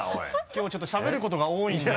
きょうちょっとしゃべることが多いんで。